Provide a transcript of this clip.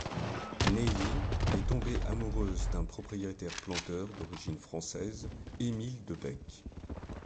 Navy, est tombée amoureuse d'un propriétaire-planteur d'origine française, Émile de Becque.